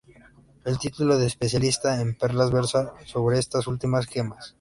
El título de especialista en perlas versa sobre estas últimas gemas.